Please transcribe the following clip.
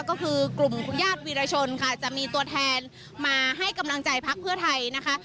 ก็คือกลุ่มคุณญาติวีรชนค่ะจะมีตัวแทนมาให้กำลังใจพักเพื่อไทยนะคะ